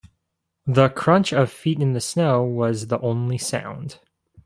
The crunch of feet in the snow was the only sound.